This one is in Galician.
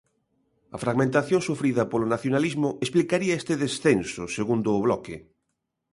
A fragmentación sufrida polo nacionalismo explicaría este descenso, segundo o Bloque.